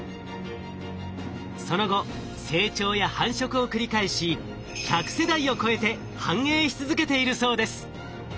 その後成長や繁殖を繰り返し１００世代を超えて繁栄し続けているそうです。